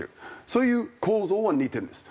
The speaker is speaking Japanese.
そういう構造は似てるんです。